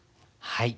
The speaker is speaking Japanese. はい。